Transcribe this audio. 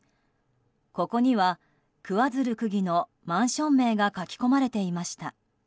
ここには桑水流区議のマンション名が書き込まれていました。